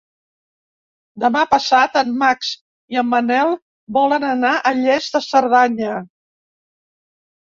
Demà passat en Max i en Manel volen anar a Lles de Cerdanya.